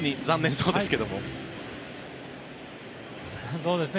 そうですね。